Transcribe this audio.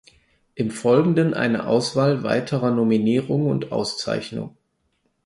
Im Folgenden eine Auswahl weiterer Nominierungen und Auszeichnungen.